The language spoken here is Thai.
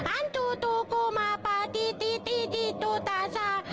อันตู่ตู่กูมาปะตี้ตี้ตี้ตี้ตู่ตาสา